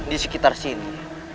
di sekitar sini